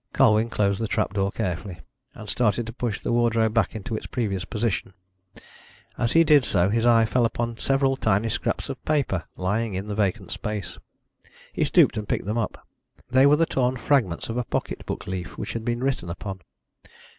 Colwyn closed the trap door carefully, and started to push the wardrobe back into its previous position. As he did so, his eye fell upon several tiny scraps of paper lying in the vacant space. He stooped, and picked them up. They were the torn fragments of a pocket book leaf, which had been written upon.